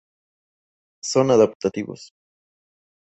Son adaptativos;.